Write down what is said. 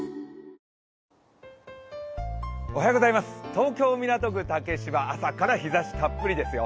東京・港区竹芝、朝から日ざしたっぷりですよ。